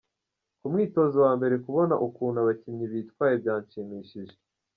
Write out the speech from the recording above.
Ku mwitozo wa mbere kubona ukuntu abakinnyi bitwaye byanshimishije.